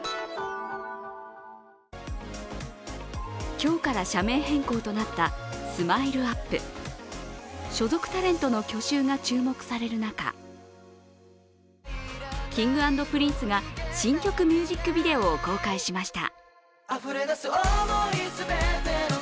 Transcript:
今日から社名変更となったＳＭＩＬＥ−ＵＰ．所属タレントの去就が注目される中Ｋｉｎｇ＆Ｐｒｉｎｃｅが新曲ミュージックビデオを公開しました。